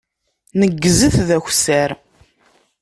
Neggzet d akessar.